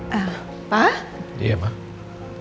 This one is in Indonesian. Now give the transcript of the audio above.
harus mau perjanjian itu masih berlaku